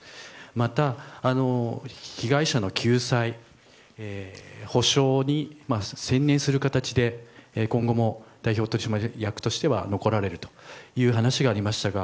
また、被害者の救済、補償に専念する形で今後も代表取締役として残られる話がありましたが